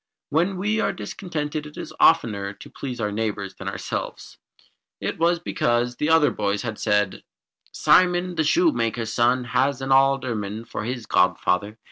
When we are discontented it is oftener to please our neighbours than ourselves. It was because the other boys had said "Simon, the shoemaker's son, has an alderman for his godfather.